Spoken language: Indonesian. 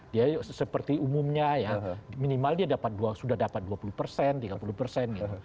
dia seperti umumnya ya minimal dia sudah dapat dua puluh persen tiga puluh persen gitu